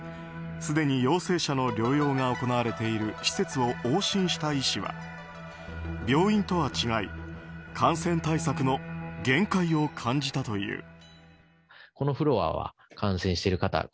すでに、陽性者の療養が行われている施設を往診した医師は病院とは違い感染対策の限界を感じたという。